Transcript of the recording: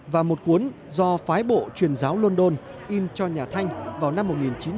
và một cuốn do phái bộ truyền giáo london in cho nhà thanh vào năm một nghìn chín trăm bảy mươi